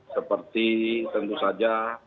seperti tentu saja